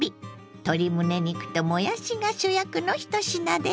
鶏むね肉ともやしが主役の１品です。